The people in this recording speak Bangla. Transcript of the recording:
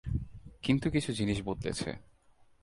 কিন্তু কিছু জিনিস বদলেছে।